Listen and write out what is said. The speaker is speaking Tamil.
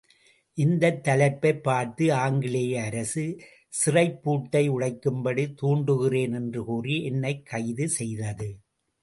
இந்தத் தலைப்பைப் பார்த்த ஆங்கிலேய அரசு, சிறைப்பூட்டை உடைக்கும்படி தூண்டுகிறேன் என்று கூறி என்னைக் கைது செய்தது.